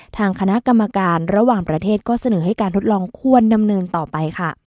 ทางคณะกรรมการระหว่างประเทศก็เสนอให้การทดลองควรดำเนินต่อไปค่ะ